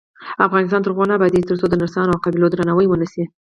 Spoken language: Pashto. افغانستان تر هغو نه ابادیږي، ترڅو د نرسانو او قابلو درناوی ونشي.